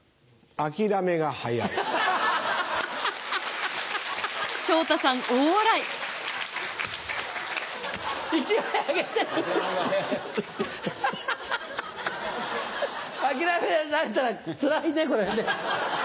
諦められたらつらいねこれは。